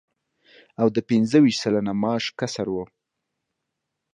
او د پنځه ویشت سلنه معاش کسر و